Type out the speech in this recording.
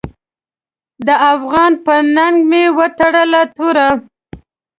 د افغان په ننګ مې وتړله توره .